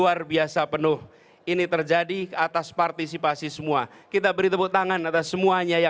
ada water screen nya pak